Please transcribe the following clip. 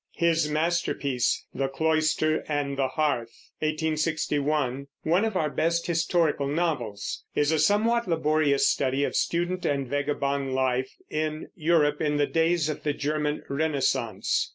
His masterpiece, The Cloister and the Hearth (1861), one of our best historical novels, is a somewhat laborious study of student and vagabond life in Europe in the days of the German Renaissance.